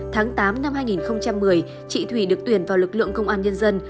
tháng tám năm hai nghìn một mươi chị thủy được tuyển vào lực lượng công an nhân dân